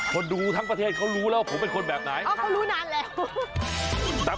คนดูทั้งประเทศเขารู้แล้วว่าผมเป็นคนแบบไหน